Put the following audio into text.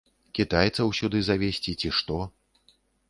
Кітайцаў сюды завезці, ці ш то?